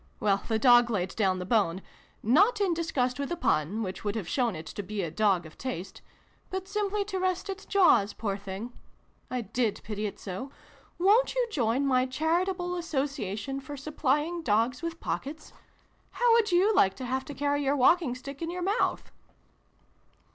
Well, the dog laid down the bone not in disgust with the pun, which would have shown it to be a dog of taste but simply to rest its jaws, poor thing ! I did pity it so ! Won't you join my Charitable Association for supplying dogs with pockets ? How would you like to have to carry your walking stick in your mouth